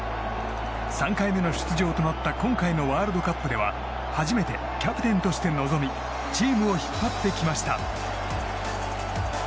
３回目の出場となった今回のワールドカップでは初めてキャプテンとして臨みチームを引っ張ってきました。